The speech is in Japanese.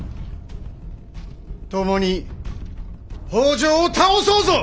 共に北条を倒そうぞ！